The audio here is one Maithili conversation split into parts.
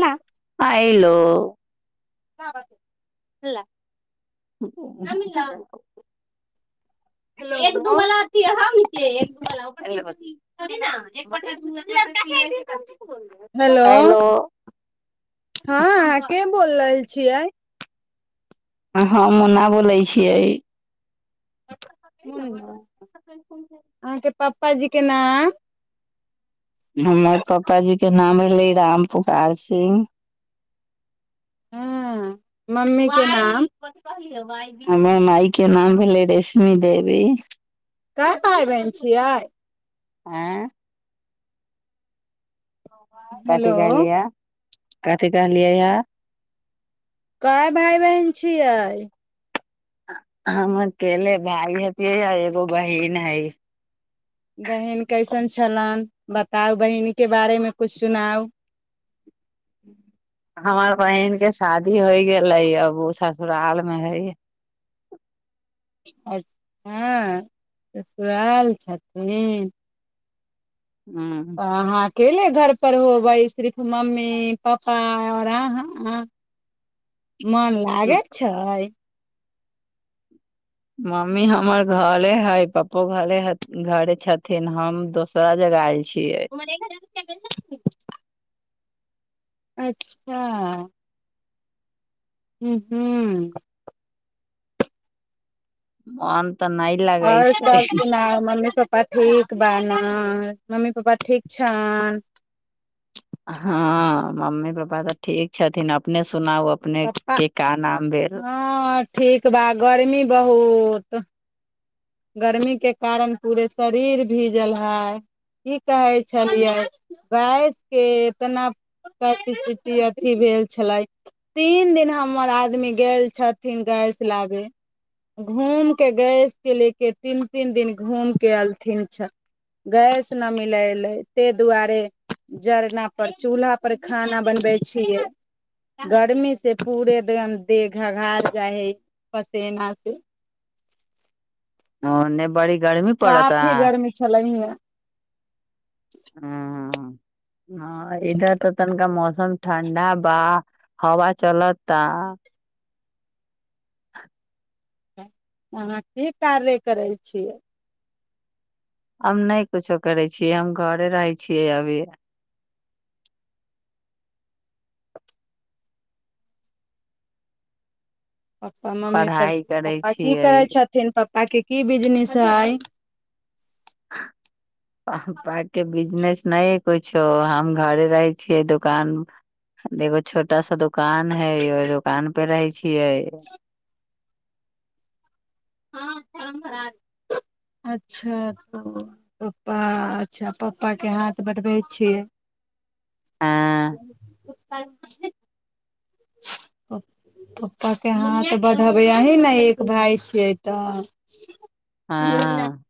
ना अइलो [inaudible] [unintelligible] हेलो एक दू बला अथि हम छिये एक दू बला ओकरे सँ [unintelligible] हेलो हेयलो हँ के बोल रहल छियै हँ मुन्ना बोलै छियै अहाँके पापाजीे नाम हमर पापाजीके नाम भेललै राम पुकार सिंह हुँ भइ कथी कहलीयो हमर माय के नाम भेलै रेशमी देवी काय भाई बहिन छियै आँ कथी हेलो कहलियै कथी कहलियै ह कएय भाई बहिन छियै हमर अकेले भाय हतियै ह एगो बहिन हइ बहिन कैसन छलैन बताउ बहिनके बारेमे किछ सुनाउ हमर बहिन के शादी होय गेलै अब ओ ससुरालमे हइ अच्छ हँ ससुराल छथिन हँ अहाँ अकेले घर पर होबै सिर्फ मम्मी पापा आऔर आहाँ मन लागे छै मम्मी हमर घरे हइ पपो घरे घरे छथिन हम दोसरा जगह आयल छी [unintelligible] अच्छा हू हू मोन और सब सुनाउ मम्मी पपा ठीक बा न मम्मी पापा ठीक छनि हँ मम्मी पापा तऽ ठीक छथिन अपने सु पपा हँ ठीक बा गर्मी बहुत गर्मी के कारण पूरे शरीर भीजल हय की कहे छलियै गैस के इतना कैपसिटी अथी भेल छलै तीन दिन हमर आदमी गेल छथिन गैस लाबे घूम के गैस के ले के तीन तीन दिन घूम के एलथिन छ गैस न मिल एले ताहि दुआरे जरना पर चूल्हा पर खाना बनबै छियै गर्मी से पूरे दम देह घघाइ जाइ हे पसेना से ओने बड़ी गर्मी पड़ता काफी गर्मी छलै हिया हँ हँ इधर तऽ तनिका मौसम ठण्डा बा हवा चलअ ता अहाँ की कार्य करै छियै हम नइ कुछो करै छियै हम घरे रहै छियै अभी पपा मम्मी सब पढ़ाई करै पपा की छियै करै छथिन तब ताकि की बिजनेस हृय पापा के बिजनेस नहि कुछो हम घरे रहै छियै दुकान एगो छोटा सा दुकान है ओहि दुकान पे रहै छियै [unintelligible] अच्छा पपा अच्छा पपा के हाथ बढ़बै छियै हँ [unintelligible] पपा के हाथ बढ़बै अही न एक भाय छियै तऽ [unintelligible] [unintelligible] हँ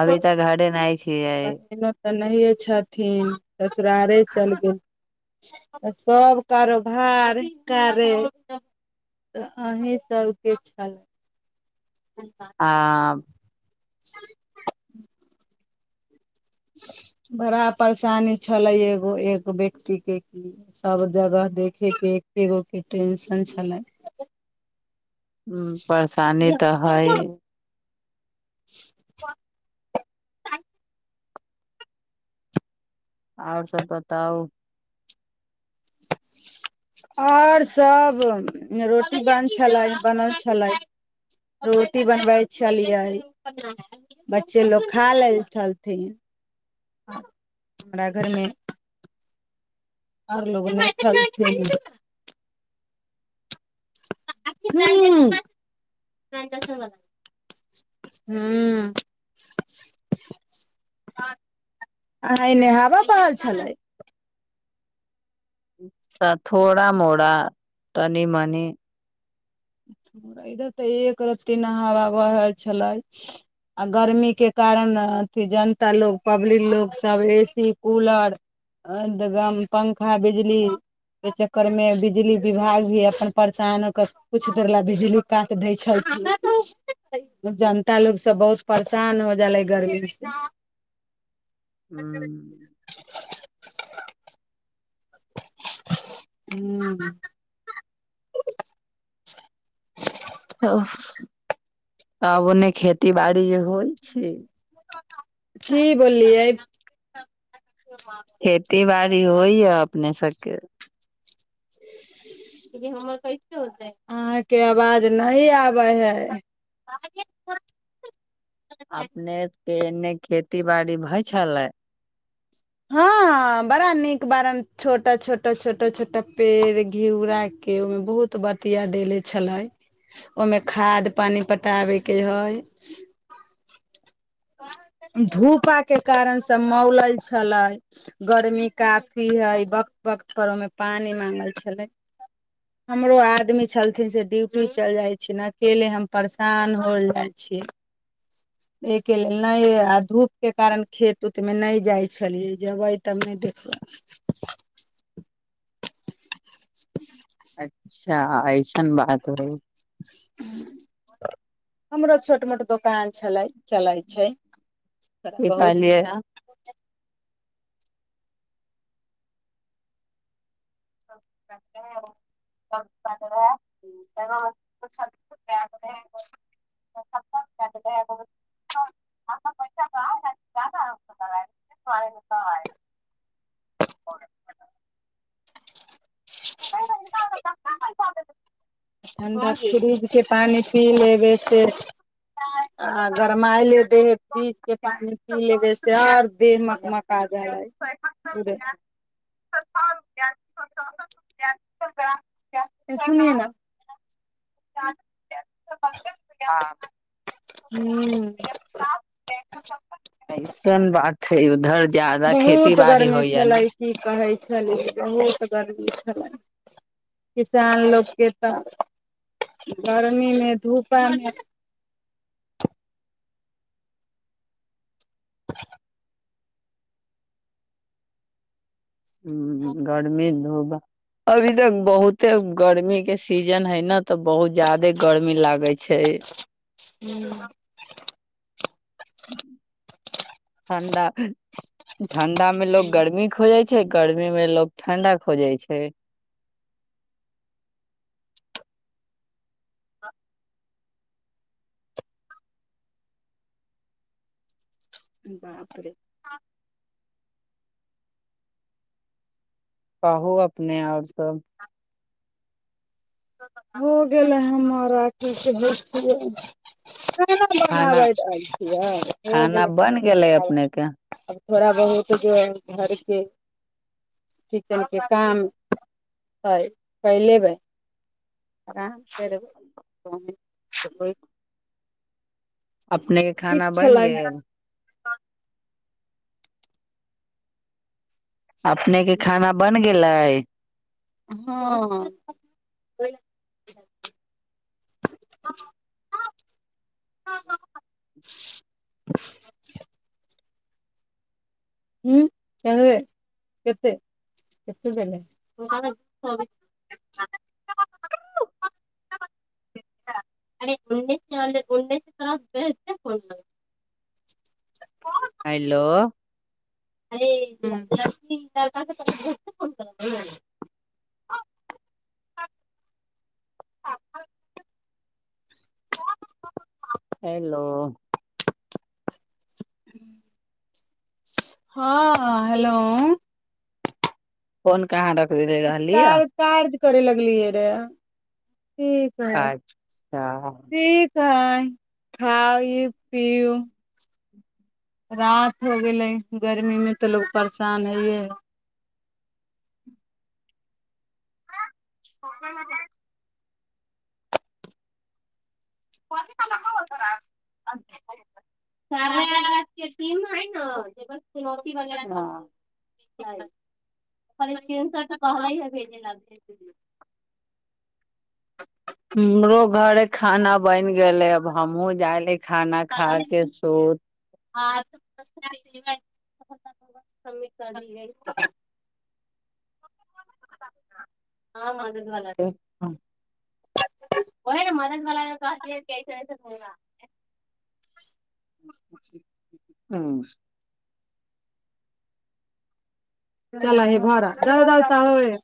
अभी तऽ घरे नहि छै के बहिनो तऽ नहिए छथिन ससुरारे चलि गेल सभ कारोबार कारे अही सबके छल हाँ [unintelligible] बड़ा परेशानी छलै एगो एक व्यक्ति के क सभ जगह देखयके एकेगो के टेंशन छलै परेशानी तऽ हइ [unintelligible] आओर सब बताउ आओर सभ रोटी बन छलै बनल छलै रोटी बनबै छलियै बच्चे लोको खा ल छलथिन हमरा घर मे [unintelligible] हुँ आ नेहाबऽ पड़ल छलै तऽ थोड़ा मोड़ा तनी मनी इधर तऽ एक रत्ती नहवा बहै छलै आ गर्मीके कारण अथि जनता लो पब्लिक लोकसभ ए सी कूलरम पंखा बिजली के चक्करमे बिजली विभाग भी अपन परेशान के कुछु देर लए बिजली काट दै छै जनता लोग सब बहुत परेशान हो जाले गर्मी से [unintelligible] हाँ तब ओने खेती बाड़ी जे होइ छै जी बोललियै खेती बाड़ी होइया अपने सबके के हमर कैसेै अहाँके आवाज नहि आबै हइ अपनेके एन्ने खेती बाड़ी भइ छलै हँ बड़ा नीक बार छोटा छोटा छोटा छोटा पेड़ घिउरा के ओहिमे बहुत बतिया देेले छले ओहिमे खाद पानी पटाबे के हे धूपा के कारण सब मौल छल गर्मी काफी है वक्त वक्त परोमे पानी मांगल छले हमरो आदमी छलथििन से ड्यूटी चल जाइ छै अकेले हम परेशान होल जाय छिय एहि के लेल नहि आ धूप के कारण खेत उत मे नहि जाइ छललियै जेबै तब ने देखबै ह अच्छा ऐसन महत्व हमरो छोट मोट दोकान छलै चलै छै क बहुत कहलियै रह [inaudible] ठण्डा फ्रीज कऽ पानि पी लेबै सेे आ गरमाइले दै हइ फ्रिजके पानि पी लेबै से आओर देह मकमका जा हइ परे [inaudible] [inaudible] सुनिये न हूँ म [unintelligible] उधर ज्यादा खेती बहुत बाड़ी गर्मी होइया ने छलै ह की कहै छै छलिय बहुत गर्मी छलै किसान लोकके तऽ गर्मीमे धूपामे ह गरमेी धो अभी तक बहुते गर्मी के सीजन हय ने तऽ बहुत जादे गर्मी लागे छै ह्म ठण्डा ठण्डा मे लोको गर्मी खोजै छै गर्मी मे लोग ठण्डा खोजे छै ह [unintelligible] बापरे [unintelligible] कहाहू अपने और सब हो गेलै हमर आखी बेै [unintelligible] खना खाना बनाबैत आयल छियै खाना गेलै बन गेलै अपने के [unintelligible] थोड़ा बहुत जे ह घरके किचेनके काम हइ कै लेबै आराम करबै जेबै अपने के खाना बनि छलै गेल अपने के खाना बन गेलै हँ हतत छल उ उन्ै ते हैेलो अ्म हेलो हँ हेलो फोन कहाँ र सुली य कार कार्य करे लगलियै रह अच्छा ख खाउ पिउ रात हो गेलै गर्मीमे तऽ लोक परेशान होइए ह ककर कोन ल हब त अ चारेग के टीम है न जेकर चुनौती वगर स्क्रीन शॉट कहले ह भेजे ल [inaudible] हमरो घर खाना बनि गेले अब हमहुँ जाय ले खाना खा के सोत ह [inaudible] हमीता दी गइ हँ मदद व ओह ने मदद व कह चल हे भरा जाउ जाउता होय